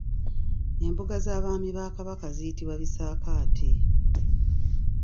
Embuga z’abaami ba Kabaka ziyitibwa bisaakaate.